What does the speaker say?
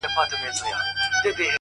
• یا مي خدایه ژوند له آسه برابر کړې ,